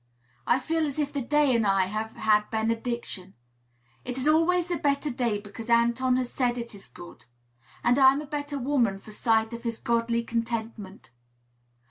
I feel as if the day and I had had benediction. It is always a better day because Anton has said it is good; and I am a better woman for sight of his godly contentment.